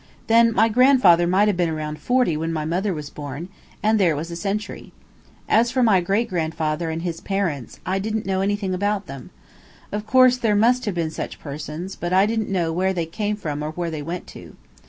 Then my grandfather might have been forty when my mother was born, and there was a century. As for my great grandfather and his parents, I didn't know anything about them. Of course, there must have been such persons, but I didn't know where they came from or where they went to.